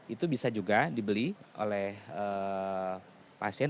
itu bisa juga dibeli oleh pasien